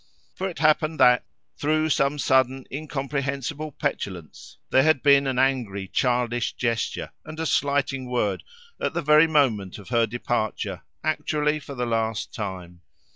For it happened that, through some sudden, incomprehensible petulance there had been an angry childish gesture, and a slighting word, at the very moment of her departure, actually for the last time.